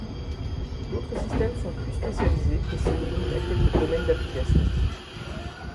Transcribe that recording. D'autres systèmes sont plus spécialisés et se limitent à quelques domaines d'application.